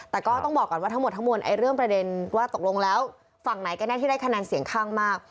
แต่ก็ต้องบอกก่อนว่าทั้งหมดทั้งมวลเรื่องประเด็นว่าตกลงแล้วฝั่งไหนก็แน่ที่ได้คะแนนเสียงข้างมาก